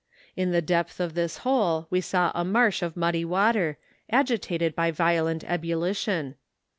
In the depth of this hole we saw a marsh of muddy water, agitated by a violent ebullition.